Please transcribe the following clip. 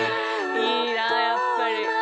いいなやっぱり。